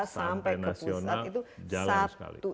sampai ke pusat itu